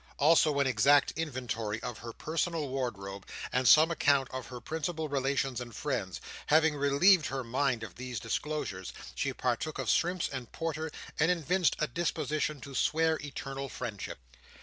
Also an exact inventory of her personal wardrobe, and some account of her principal relations and friends. Having relieved her mind of these disclosures, she partook of shrimps and porter, and evinced a disposition to swear eternal friendship.